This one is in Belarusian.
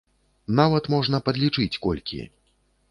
Нават можна падлічыць колькі.